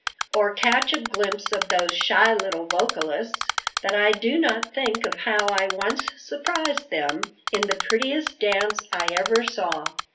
or catch a glimpse of those shy little vocalists, that I do not think of how I once surprised them in the prettiest dance I ever saw.